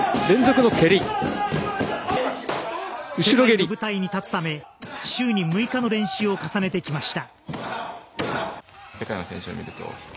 世界の舞台に立つため週に６日の練習を重ねてきました。